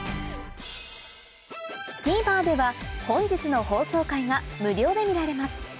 ＴＶｅｒでは本日の放送回が無料で見られます